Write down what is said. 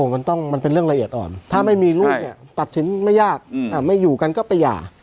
มันเป็นเรื่องละเอียดอ่อนถ้าไม่มีลูกตัดสินไม่ยากไม่อยู่กันก็ประหย่า